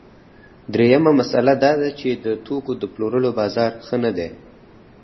درېیمه مسئله دا ده چې د توکو د پلورلو بازار ښه نه دی